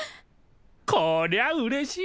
こりゃうれしい！